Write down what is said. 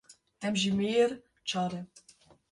Demjimêr çar e.